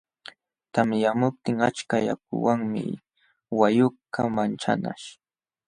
Tamyamuptin achka yakuwanmi wayqukaq manchanaśh.